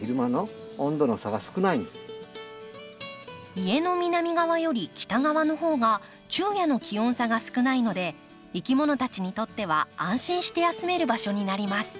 家の南側より北側の方が昼夜の気温差が少ないのでいきものたちにとっては安心して休める場所になります。